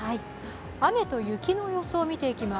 雨と雪の予想を見ていきます。